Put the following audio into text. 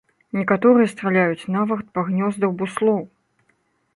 Некаторыя страляюць нават па гнёздах буслоў.